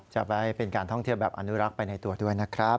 จะได้เป็นการท่องเที่ยวแบบอนุรักษ์ไปในตัวด้วยนะครับ